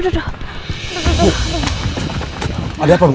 tolong kejar fera aja sampai dia kabur